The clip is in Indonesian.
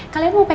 kalian mau pkl